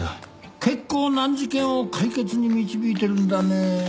結構難事件を解決に導いてるんだね。